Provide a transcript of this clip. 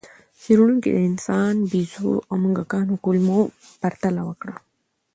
څېړونکي د انسان، بیزو او موږکانو کولمو پرتله وکړه.